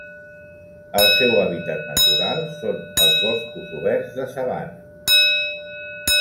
El seu hàbitat natural són els boscos oberts de sabana.